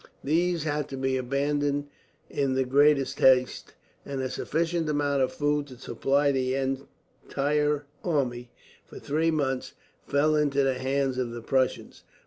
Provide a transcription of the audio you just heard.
These had to be abandoned in the greatest haste, and a sufficient amount of food to supply the entire army, for three months, fell into the hands of the Prussians.